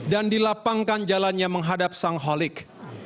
dan dilapangkan jalannya menghadap sang holik